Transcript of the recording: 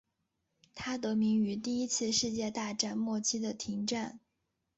它得名于第一次世界大战末期的停战。